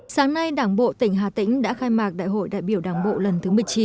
sáng nay đảng bộ tp hcm đã khai mạc đại hội đại biểu đảng bộ lần thứ một mươi chín